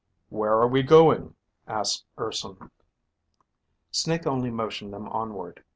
"Where are we going?" asked Urson. Snake only motioned them onward.